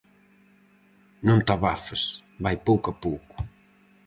Non te abafes, vai pouco a pouco.